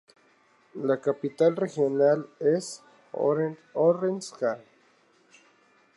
La capital regional es Oranjestad.